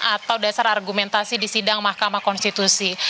atau dasar argumentasi di sidang mahkamah konstitusi